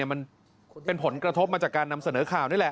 มันเป็นผลกระทบมาจากการนำเสนอข่าวนี่แหละ